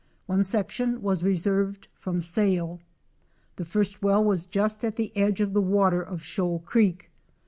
One section was reserved from sale. The first well was just at the edge of the water of Shoal creek.